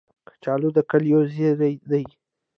کچالو د کلیو زېری دی